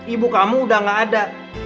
ibu kamu udah gak ada